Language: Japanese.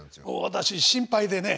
私心配でね。